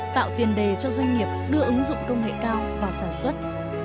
tạo tiền đề cho doanh nghiệp đưa ứng dụng công nghệ cao vào sản xuất